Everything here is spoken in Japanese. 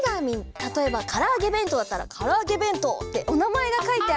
たとえばからあげべんとうだったら「からあげべんとう」っておなまえがかいてある。